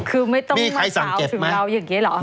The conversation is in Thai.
คือไม่ต้องมาสาวถึงเราอย่างนี้เหรอ